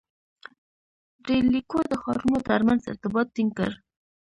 • رېل لیکو د ښارونو تر منځ ارتباط ټینګ کړ.